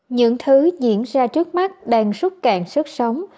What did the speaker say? những thứ diễn ra trước mắt đang xúc cạn sức sống